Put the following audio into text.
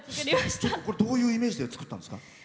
どういうイメージで作ったんですか？